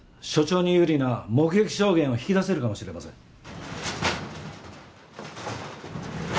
署長に有利な目撃証言を引き出せるかもしれません。